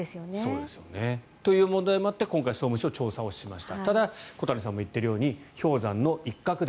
そうですよね。という問題もあって今回、総務省が調査をしました。